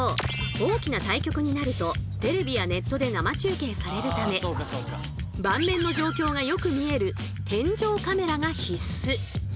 大きな対局になるとテレビやネットで生中継されるため盤面の状況がよく見える天井カメラが必須！